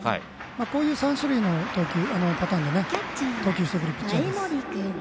こういう３種類のパターンで投球してくるピッチャーです。